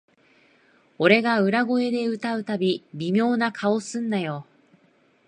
俺が裏声で歌うたび、微妙な顔すんなよ